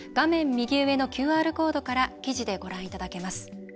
右上のＱＲコードから記事で、ご覧いただけます。